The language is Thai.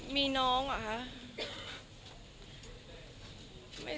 มีน้องเหรอคะ